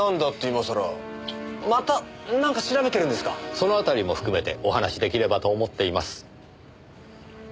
その辺りも含めてお話し出来ればと思っています。